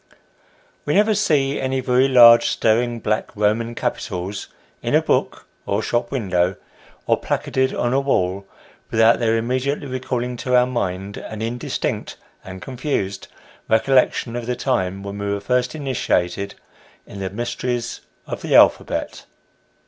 WE never see any very large, staring, black Roman capitals, in a book, or shop window, or placarded on a wall, without their immedi ately recalling to our mind an indistinct and confused recollection of the time when we were first initiated in the mysteries of the alphabet.